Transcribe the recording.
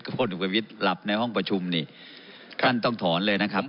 กระโปรดกระวิดหลับในห้องประชุมนี่ค่ะท่านต้องถอนเลยนะครับ